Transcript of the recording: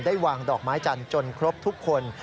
วางดอกไม้จันทร์จนครบทุกคน